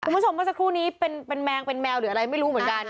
เมื่อสักครู่นี้เป็นแมงเป็นแมวหรืออะไรไม่รู้เหมือนกัน